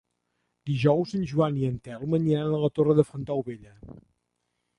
Dijous en Joan i en Telm aniran a la Torre de Fontaubella.